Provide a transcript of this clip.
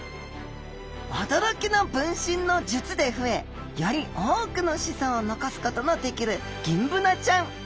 驚きの分身の術で増えより多くの子孫を残すことのできるギンブナちゃん。